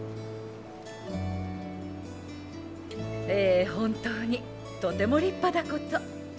ええ本当にとても立派だこと。